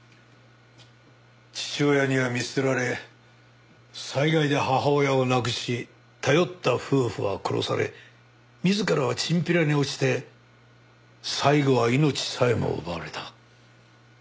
父親には見捨てられ災害で母親を亡くし頼った夫婦は殺され自らはチンピラに落ちて最後は命さえも奪われた。